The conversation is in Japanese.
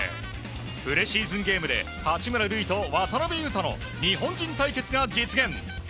プレシーズンゲームで八村塁と渡邊雄太の日本人対決が実現。